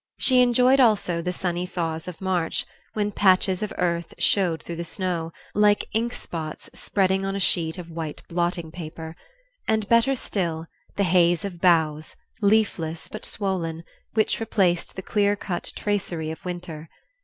She enjoyed, also, the sunny thaws of March, when patches of earth showed through the snow, like ink spots spreading on a sheet of white blotting paper; and, better still, the haze of boughs, leafless but swollen, which replaced the clear cut tracery of winter.